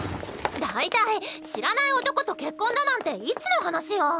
だいたい知らない男と結婚だなんていつの話よ？